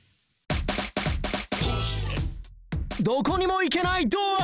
どこにも行けないドア